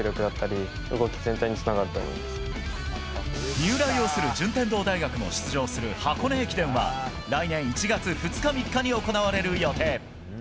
三浦擁する順天堂大学も出場する箱根駅伝は来年１月２日３日に行われる予定。